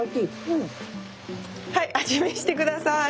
はい味見して下さい。